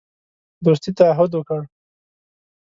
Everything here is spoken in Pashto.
دوستی تعهد وکړ.